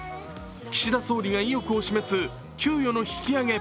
岸田総理が意欲を示す給与の引き上げ。